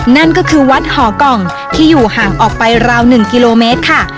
นั่นก็คือวัดหอกล่องที่อยู่ห่างออกไปราว๑กิโลเมตรค่ะ